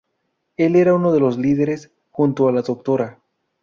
Él era uno de los líderes, junto a la Dra.